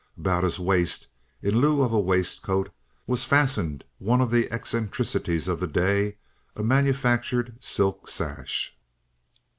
About his waist, in lieu of a waistcoat, was fastened one of the eccentricities of the day, a manufactured silk sash.